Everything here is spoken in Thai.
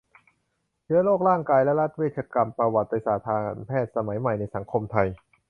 เชื้อโรค ร่างกาย และรัฐเวชกรรม ประวัติศาสตร์การแพทย์สมัยใหม่ในสังคมไทย